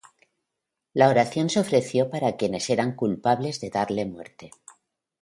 La oración se ofreció para quienes eran culpables de darle muerte.